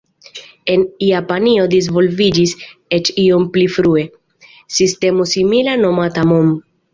En Japanio disvolviĝis, eĉ iom pli frue, sistemo simila nomata "mon".